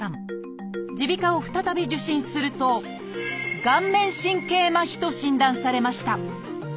耳鼻科を再び受診するとと診断されました。